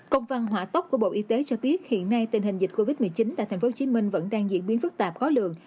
công văn hỏa tốc của bộ y tế cho biết hiện nay tình hình dịch covid một mươi chín tại tp hcm vẫn đang diễn biến phức tạp khó lường